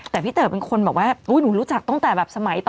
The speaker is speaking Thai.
แต่พี่ธรเป็นคนบอกว่าโอ้ยหนูรู้จักตั้งแต่สมัย